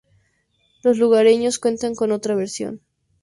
Los lugareños cuentan otra versión.